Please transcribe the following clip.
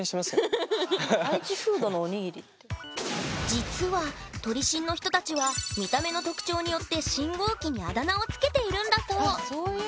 実は撮り信の人たちは見た目の特徴によって信号機にあだ名を付けているんだそう。